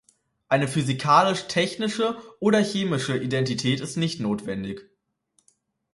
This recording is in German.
Eine physikalisch-technische oder chemische Identität ist nicht notwendig.